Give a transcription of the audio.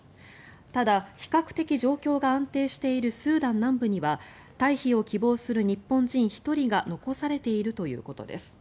ただ、比較的状況が安定しているスーダン南部には退避を希望する日本人１人が残されているということです。